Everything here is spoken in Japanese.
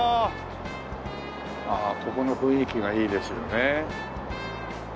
ああここの雰囲気がいいですよね。